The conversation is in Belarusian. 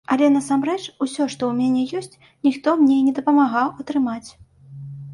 Але насамрэч усё, што ў мяне ёсць, ніхто мне не дапамагаў атрымаць.